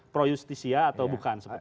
pro justisia atau bukan